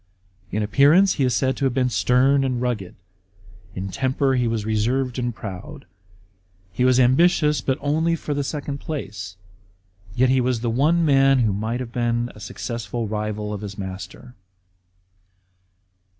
In appearance he is said to have been stern and rngized; in temper he was reserved and proud. He was ambitious, but only for the second place ; yet he was the one man who might have been a successful rival of his master.